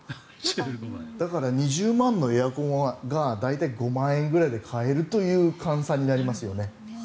だから２０万円のエアコンが大体５万円ぐらいで買えるという換算になりますよね。